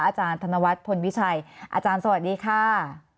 อาจารย์ธนวัฒน์พลวิชัยอาจารย์สวัสดีค่ะ